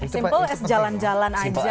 simple as jalan jalan aja gitu ya